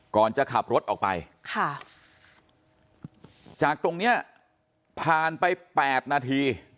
ก่อนจะขับรถออกไปค่ะจากตรงนี้ผ่านไป๘นาที